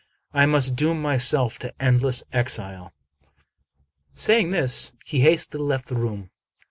I must doom myself to endless exile." Saying this, he hastily left the room.